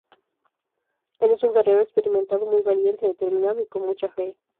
Él es un guerrero experimentado, muy valiente, determinado, y con mucha fe.